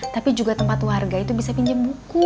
tapi juga tempat warga bisa pinjem buku